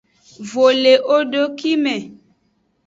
Vo le ewodeki me.